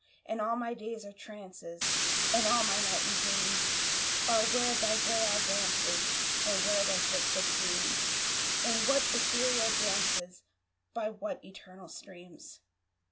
And all my days are trances, And all my nightly dreams Are where thy grey eye glances, And where thy footstep gleams In what ethereal dances, By what eternal streams.